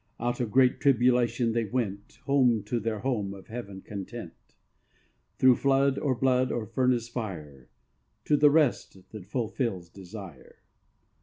Out of great tribulation they went Home to their home of Heaven content; Through flood, or blood, or furnace fire, To the rest that fulfils desire.